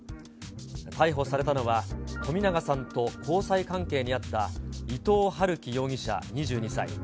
逮捕されたのは、冨永さんと交際関係にあった伊藤龍稀容疑者２２歳。